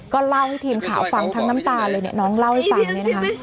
ก็เล่าให้ทีมข่าวฟังทั้งน้ำตาเลยเนี่ยน้องเล่าให้ฟังเนี่ยนะคะ